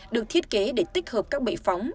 được thiết kế để tích hợp các bệ phóng